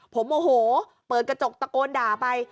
ผมโมโหเปิดกระจกตะโกนด่าไป